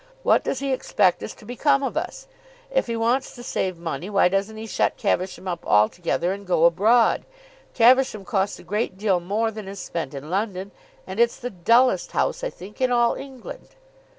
What does he expect is to become of us? If he wants to save money why doesn't he shut Caversham up altogether and go abroad? Caversham costs a great deal more than is spent in London, and it's the dullest house, I think, in all England."